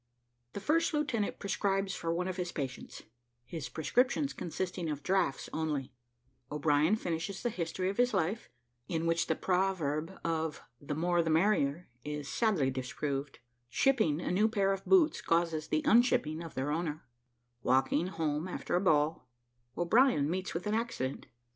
THE FIRST LIEUTENANT PRESCRIBES FOR ONE OF HIS PATIENTS, HIS PRESCRIPTIONS CONSISTING OF "DRAUGHTS" ONLY O'BRIEN FINISHES THE HISTORY OF HIS LIFE, IN WHICH THE PROVERB OF "THE MORE THE MERRIER" IS SADLY DISPROVED "SHIPPING" A NEW PAIR OF BOOTS CAUSES THE "UNSHIPPING" OF THEIR OWNER WALKING HOME AFTER A BALL; O'BRIEN MEETS WITH AN ACCIDENT.